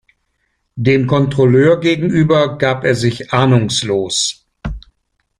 Dem Kontrolleur gegenüber gab er sich ahnungslos.